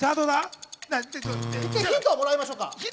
ヒントもらいましょうか。